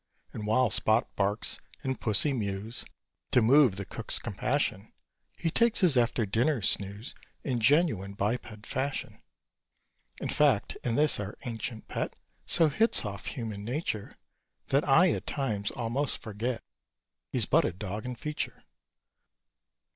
And while Spot barks and pussy mews, To move the cook's compassion, He takes his after dinner snooze In genuine biped fashion. In fact, in this, our ancient pet So hits off human nature, That I at times almost forget He's but a dog in feature.